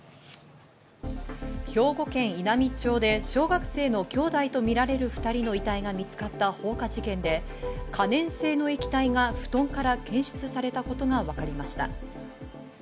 兵庫県稲美町で小学生の兄弟とみられる２人の遺体が見つかった放火事件で、可燃性の液体が布団から検出されたことがわかりました。